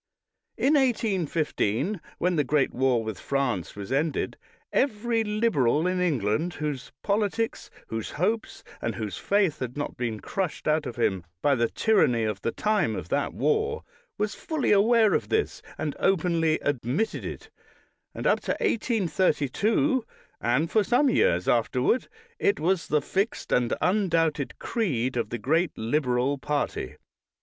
In 1815, when the great war with France was ended, every Liberal in England, whose politics, whose hopes, and whose faith had not been crushed out of him by the tyranny of the time of that war, was fully aware of this, and openly admitted it, and up to 1832, and for some years afterward, it was the fixed and undoubted creed of the great Liberal party.